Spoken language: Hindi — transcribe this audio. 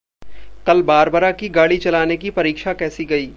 कल बारबरा की गाड़ी चलाने की परीक्षा कैसी गई?